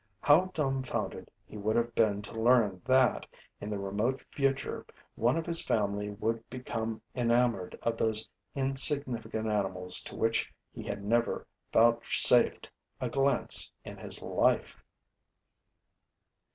How dumbfounded he would have been to learn that, in the remote future, one of his family would become enamoured of those insignificant animals to which he had never vouchsafed a glance in his life!